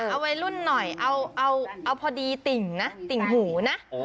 เอาวัยรุ่นหน่อยเอาพอดีติ่งนะติ่งหูนะ